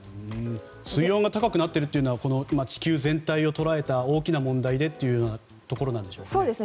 水温が高くなっているというのは地球全体を捉えた大きな問題というところでしょうかね。